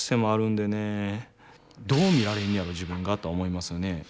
どう見られんねやろ自分がとは思いますよね。